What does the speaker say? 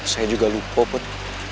saya juga lupa put